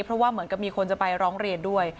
เพราะว่าเหมือนกับมีคนจะไปร้องเรียนด้วย